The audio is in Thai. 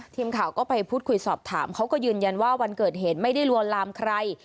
ทีมข่าวก็ไปพูดคุยสอบถามเขาก็ยืนยันว่าวันเกิดเหตุไม่ได้ลวนลามใคร